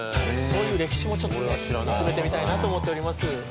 そういう歴史もちょっと訪ねてみたいと思っております。